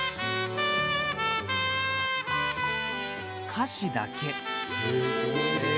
歌詞だけ。